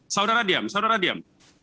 saudara diam saudara diam